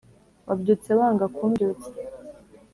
Wabyutse wanga kumbyutsa